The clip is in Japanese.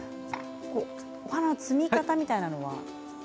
お花の摘み方みたいなものは。